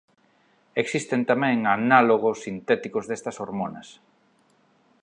Existen tamén análogos sintéticos destas hormonas.